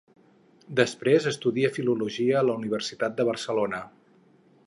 Després estudia filologia a la Universitat de Barcelona.